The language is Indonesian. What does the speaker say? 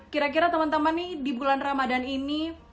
kira kira teman teman nih di bulan ramadan ini